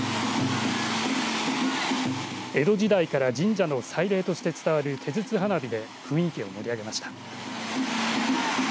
江戸時代から神社の祭礼として伝わる手筒花火で雰囲気を盛り上げました。